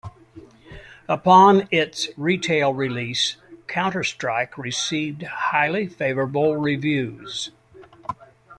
Upon its retail release, "Counter-Strike" received highly favorable reviews.